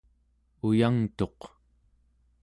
uyangtuq